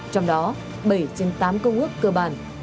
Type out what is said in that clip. trong đó bảy trên tám công ước cơ bản